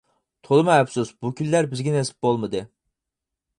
تولىمۇ ئەپسۇس بۇ كۈنلەر بىزگە نېسىپ بولمىدى.